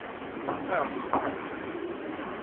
Ax!